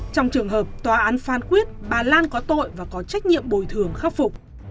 trong trường hợp tòa án phán quyết bà lan có tội và có trách nhiệm bồi thường khắc phục